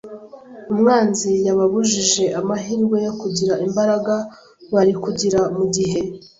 Umwanzi yababujije amahirwe yo kugira imbaraga bari kugira mu gihe